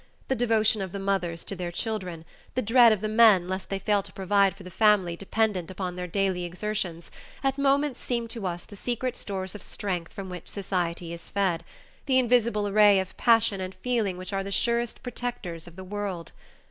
The devotion of the mothers to their children, the dread of the men lest they fail to provide for the family dependent upon their daily exertions, at moments seemed to us the secret stores of strength from which society is fed, the invisible array of passion and feeling which are the surest protectors of the world.